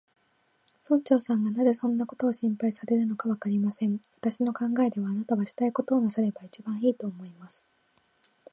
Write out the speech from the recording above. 村長さんがなぜそんなことを心配されるのか、わかりません。私の考えでは、あなたはしたいことをなさればいちばんいい、と思います。